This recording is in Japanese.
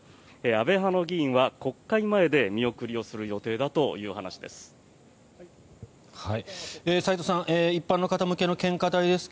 安倍派の議員は国会前で見送りをする予定だという話です。